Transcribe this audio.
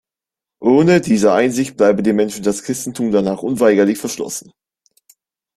Ohne diese Einsicht bleibe dem Menschen das Christentum danach unweigerlich verschlossen.